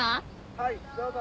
はいどうぞ。